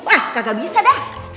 ah kagak bisa dah